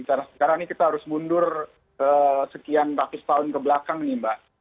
karena ini kita harus mundur sekian ratus tahun ke belakang mbak